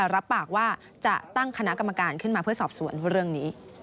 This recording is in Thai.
รับปากว่าจะตั้งคณะกรรมการขึ้นมาเพื่อสอบสวนเรื่องนี้